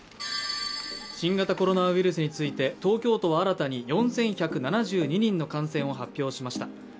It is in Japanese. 新型コロナウイルスについて東京都は新たに、４１７２人の感染を発表しました。